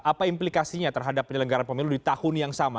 apa implikasinya terhadap penyelenggaran pemilu di tahun yang sama